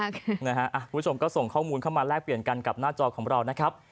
คุณผู้ชมก็ส่งข้อมูลเข้ามาแลกเปลี่ยนกันกับหน้าจอของเรานะครับ